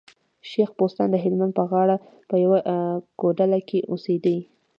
شېخ بستان د هلمند په غاړه په يوه کوډله کي اوسېدئ.